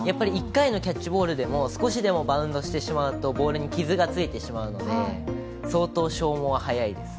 １回のキャッチボールでも少しでもバウンドしてしまうとボールに傷がついてしまうので相当消耗は早いです。